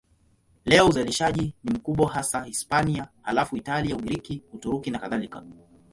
Leo uzalishaji ni mkubwa hasa Hispania, halafu Italia, Ugiriki, Uturuki nakadhalika.